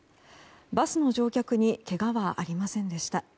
バスの乗客にけがはありませんでした。